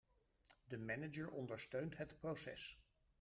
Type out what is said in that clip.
De manager ondersteund het proces.